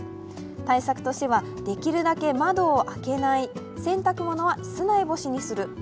対策としては、できるだけ窓を開けない、洗濯物は室内干しにする。